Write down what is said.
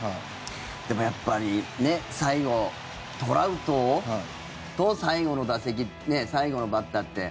でもやっぱり最後、トラウトと最後の打席最後のバッターって。